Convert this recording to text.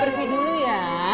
oma bersih bersih dulu ya